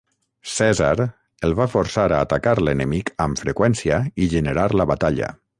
Cèsar el va forçar a atacar l'enemic amb freqüència i generar la batalla.